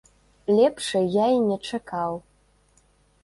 Лепшай я і не чакаў!